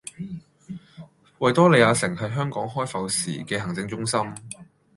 維多利亞城係香港開埠時嘅行政中心